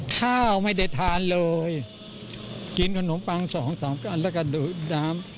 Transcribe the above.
ข้าวไม่ได้ทานเลยกินขนมปัง๒ต่อแล้วกันดูน้ำ